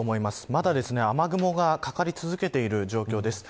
まだ雨雲がかかり続けている状況です。